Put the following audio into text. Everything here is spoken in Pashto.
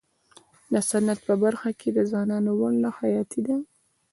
د صنعت په برخه کي د ځوانانو ونډه حیاتي ده.